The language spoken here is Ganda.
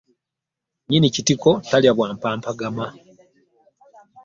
Nyinni kitiko talya bwa mpampagama.